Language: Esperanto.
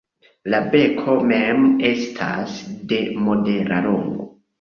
La beko mem estas de modera longo.